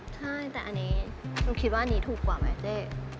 ใช่แต่อันนี้หนูคิดว่าอันนี้ถูกกว่าไหมเจ๊